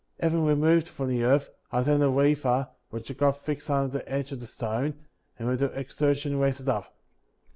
52. Having removed the earth, I obtained a lever, which I got fixed under the edge of the stone, and with a little exertion raised it up.